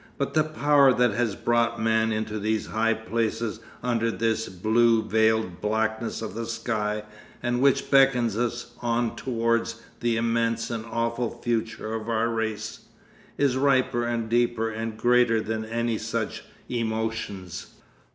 But the power that has brought man into these high places under this blue veiled blackness of the sky and which beckons us on towards the immense and awful future of our race, is riper and deeper and greater than any such emotions....